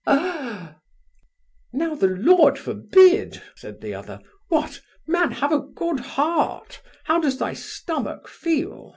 hey!' 'Now the Lord forbid! (said the other) what! man, have a good heart How does thy stomach feel?